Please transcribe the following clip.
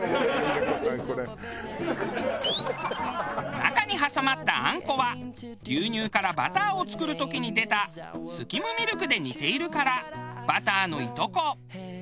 中に挟まったあんこは牛乳からバターを作る時に出たスキムミルクで煮ているから「バターのいとこ」。